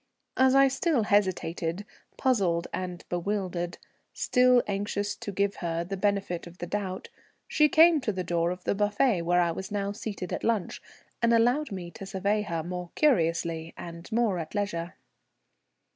As I still hesitated, puzzled and bewildered, still anxious to give her the benefit of the doubt, she came to the door of the buffet where I was now seated at lunch, and allowed me to survey her more curiously and more at leisure.